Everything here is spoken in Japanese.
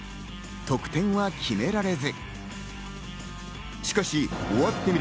得点は決められず。